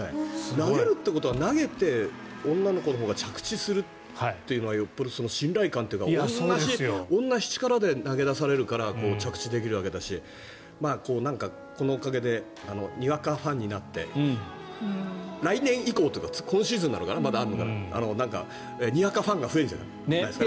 投げるってことは、投げて女の子のほうが着地するっていうのはよっぽど信頼感というか同じ力で投げ出されるから着地できるわけだしこのおかげでにわかファンになって来年以降というか今シーズン、まだあるのかなにわかファンが増えるんじゃないですかね。